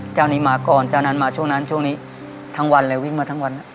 เจ้านี้มาก่อนเจ้านั้นมาช่วงนั้นช่วงนี้ทั้งวันเลยวิ่งมาทั้งวัน